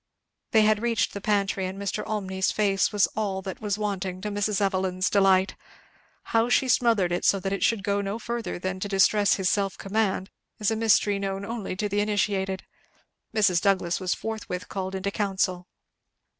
They had reached the pantry, and Mr. Olmney's face was all that was wanting to Mrs. Evelyn's delight. How she smothered it, so that it should go no further than to distress his self command, is a mystery known only to the initiated. Mrs. Douglass was forthwith called into council.